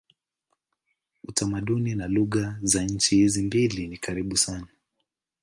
Utamaduni na lugha za nchi hizi mbili ni karibu sana.